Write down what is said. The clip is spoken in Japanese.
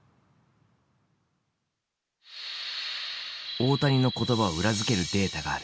大谷の言葉を裏付けるデータがある。